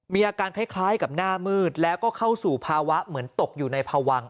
มีอาการคล้ายกับหน้ามืดแล้วก็เข้าสู่ภาวะเหมือนตกอยู่ในพวัง